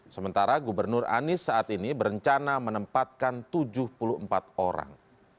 sementara gubernur anies saat ini berencana menempatkan tujuh puluh empat orang